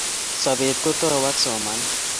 Sobet kutou ak somanet